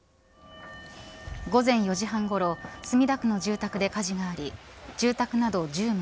午前４時半ごろ墨田区の住宅で火事があり住宅など１０棟